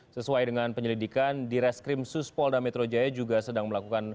sesuai dengan penyelidikan di reskrim suspolda metro jaya juga sedang melakukan